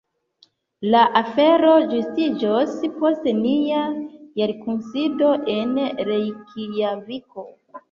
La afero ĝustiĝos post nia jarkunsido en Rejkjaviko.